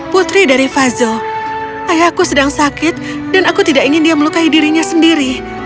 putri dari fazle ayahku sedang sakit dan aku tidak ingin dia melukai dirinya sendiri